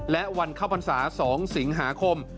และวันเข้าพรรษา๒สิงหาคม